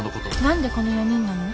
何でこの４人なの？